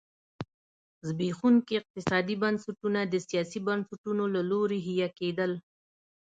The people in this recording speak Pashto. زبېښونکي اقتصادي بنسټونه د سیاسي بنسټونو له لوري حیه کېدل.